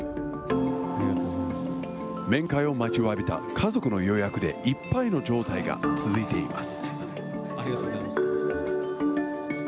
面会を待ちわびた家族の予約でいっぱいの状態が続いています。